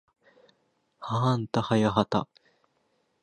はあんたはやはた